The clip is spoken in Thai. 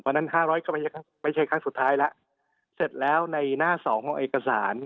เพราะฉะนั้น๕๐๐ก็ไม่ใช่ครั้งสุดท้ายแล้วเสร็จแล้วในหน้าสองของเอกสาร